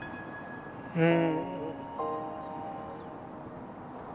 うん。